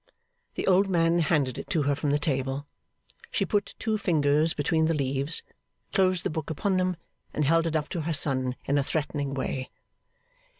The old man handed it to her from the table. She put two fingers between the leaves, closed the book upon them, and held it up to her son in a threatening way.